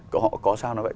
của họ có sao nó vậy